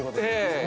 ええ。